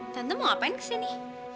tante mau ngapain kesini